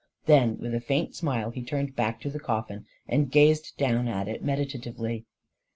Then, with a faint smile, he turned back to the coffin, and gazed down at it meditatively.